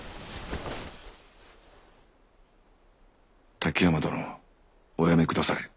滝山殿おやめくだされ。